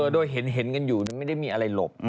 โดยเห็นกันอยู่ไม่ได้มีอะไรหลบ